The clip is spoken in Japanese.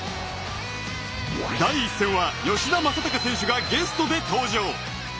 第１戦は吉田正尚選手がゲストで登場。